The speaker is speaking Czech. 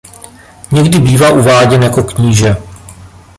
Někdy bývá uváděn jako kníže.